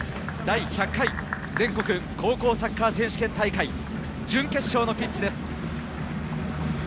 第１００回全国高校サッカー選手権大会準決勝のピッチです。